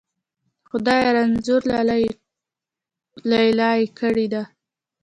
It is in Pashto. خدایه! رنځوره لیلا یې کړې ده.